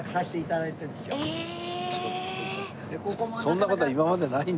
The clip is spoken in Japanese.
そんな事は今までないんでね。